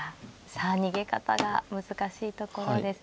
さあ逃げ方が難しいところです。